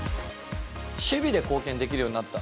守備で貢献できるようになった。